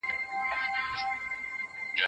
ايا د منابعو ضايع کول جرم دی؟